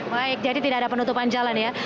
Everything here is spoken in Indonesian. baik jadi tidak ada penutupan jalan ya